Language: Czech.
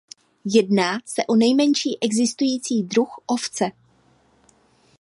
Jedná se o nejmenší existující druh ovce.